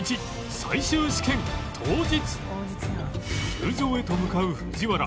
球場へと向かう藤原。